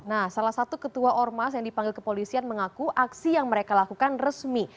nah salah satu ketua ormas yang dipanggil kepolisian mengaku aksi yang mereka lakukan resmi